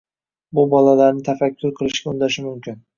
bu bolalarni tafakkur qilishga undashi mumkin.